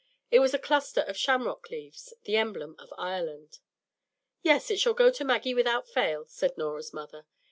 It was a cluster of shamrock leaves, the emblem of Ireland. "Yes, it shall go to Maggie without fail," said Norah's mother.